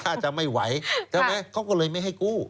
ถ้าจะไม่ไหวเขาก็เลยไม่ให้กู้